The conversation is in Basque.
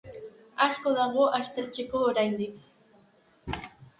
Asko dago aztertzeko oraindik.